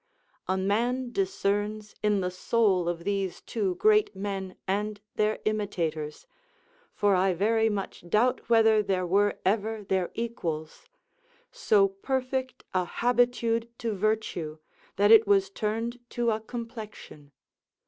A man discerns in the soul of these two great men and their imitators (for I very much doubt whether there were ever their equals) so perfect a habitude to virtue, that it was turned to a complexion.